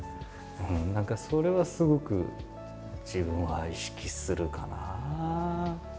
何かそれはすごく自分は意識するかな。